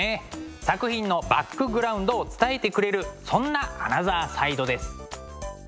作品のバックグラウンドを伝えてくれるそんなアナザーサイドです。